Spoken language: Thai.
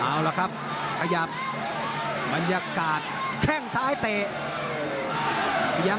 เอาล่ะครับขยับบรรยากาศแข้งซ้ายเตะ